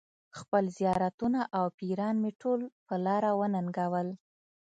خپل زیارتونه او پیران مې ټول په لاره وننګول.